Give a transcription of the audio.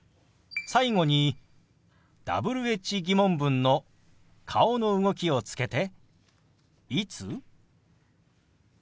最後にＷｈ−疑問文の顔の動きをつけて「いつ？」。